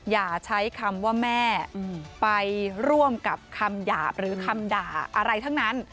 อย่าใช้คำว่าแม่ไปร่วมกับคำหยาบหรือคำด่าอะไรทั้งนั้น